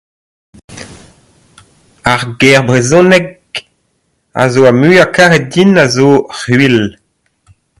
Ar ger brezhonek a zo ar muiañ karet din a zo c'hwil.